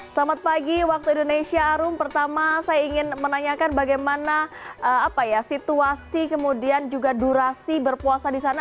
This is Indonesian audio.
selamat pagi waktu indonesia arum pertama saya ingin menanyakan bagaimana situasi kemudian juga durasi berpuasa di sana